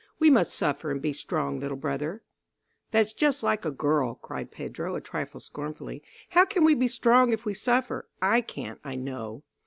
We must suffer and be strong, little brother." "That's just like a girl," cried Pedro, a trifle scornfully. "How can we be strong if we suffer? I can't, I know."